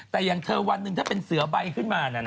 แต่อย่างเธอวันหนึ่งถ้าเป็นเสือใบขึ้นมา